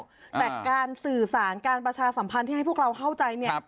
แต่การสื่อสารการประชาสัมพันธ์ที่ให้พวกเราเข้าใจเนี่ย